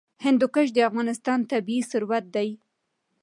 هندوکش د افغانستان طبعي ثروت دی.